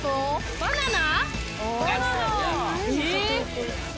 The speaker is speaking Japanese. バナナ？